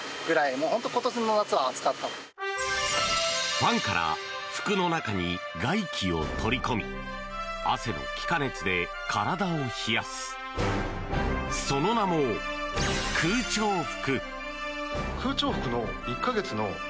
ファンから服の中に外気を取り込み汗の気化熱で体を冷やすその名も空調服。